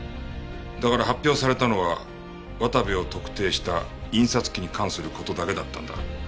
だから発表されたのは渡部を特定した印刷機に関する事だけだったんだ。